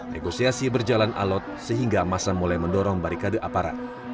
negosiasi berjalan alot sehingga masa mulai mendorong barikade aparat